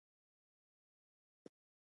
ایا زما وینه کمه ده؟